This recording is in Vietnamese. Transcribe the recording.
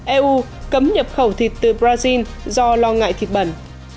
eu cấm nhập khẩu thịt từ brazil do lo ngại thịt bẩn